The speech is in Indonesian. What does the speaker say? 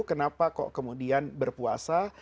kenapa kok kemudian berpuasa